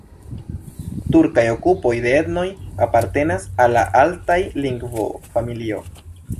Turka grupo de etnoj apartenas al la altaja lingvofamilio.